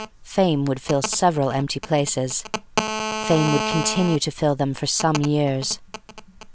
Fame would fill several empty places. Fame would continue to fill them for some years.